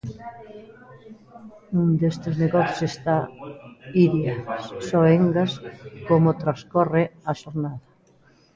Nun destes negocios está Iria Soengas, como transcorre a xornada?